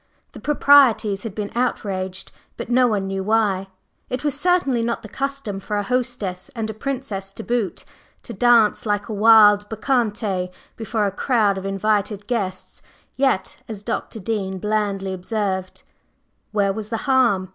The proprieties had been outraged, but no one knew why. It was certainly not the custom for a hostess, and a Princess to boot, to dance like a wild bacchante before a crowd of her invited guests, yet, as Dr. Dean blandly observed, "Where was the harm?